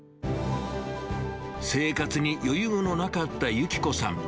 生活に余裕のなかった由紀子さん。